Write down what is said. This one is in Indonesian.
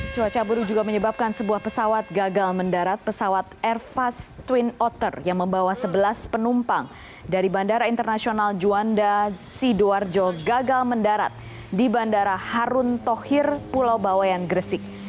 cuaca buruk juga menyebabkan sebuah pesawat gagal mendarat pesawat airfast twin otter yang membawa sebelas penumpang dari bandara internasional juanda sidoarjo gagal mendarat di bandara harun tohir pulau bawayan gresik